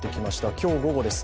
今日午後です。